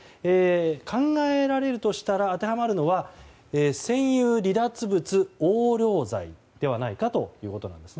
考えられるとしたら当てはまるのは占有離脱物横領罪ではないかということです。